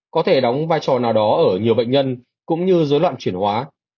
có thể đóng vai trò nào đó ở nhiều bệnh nhân cũng như dối loạn chuyển hóa